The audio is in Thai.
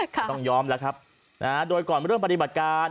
ก็ต้องยอมแล้วครับนะฮะโดยก่อนเริ่มปฏิบัติการ